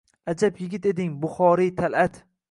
Ajab yigit eding buxoriy tal’at